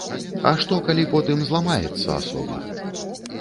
А што калі потым зламаецца асоба?